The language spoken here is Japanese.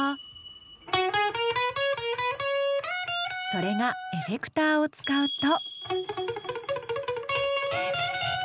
それがエフェクターを使うと。